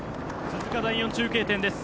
鈴鹿第４中継点です。